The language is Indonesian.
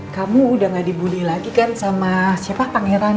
kamu udah gak dibully lagi kan sama siapa pangeran